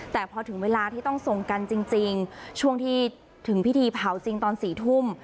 แต่พอถึงเวลาที่ต้องส่งกันจริงช่วงที่ถึงพิธีเผาจริงตอน๔ทุ่ม